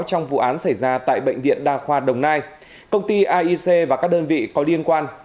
trong vụ án xảy ra tại bệnh viện đa khoa đồng nai công ty aic và các đơn vị có liên quan